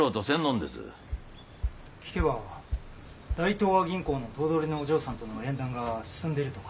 ・聞けば大東亜銀行の頭取のお嬢さんとの縁談が進んでいるとか。